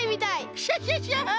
クシャシャシャ！